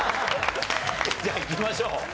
じゃあいきましょう。